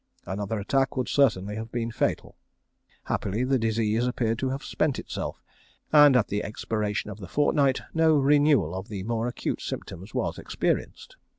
Another attack would certainly have been fatal. Happily the disease appeared to have spent itself, and at the expiration of the fortnight no renewal of the more acute symptoms was experienced.